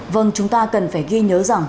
vâng chúng ta cần phải ghi nhớ rằng